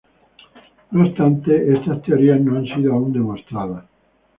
No obstante, estas teorías no han sido aún demostradas.